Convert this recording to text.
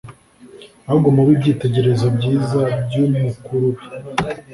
ahubwo mube ibyitegererezo byiza by'umukurubi.